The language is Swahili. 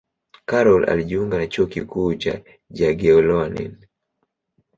karol alijiunga na chuo kikuu cha jagiellonian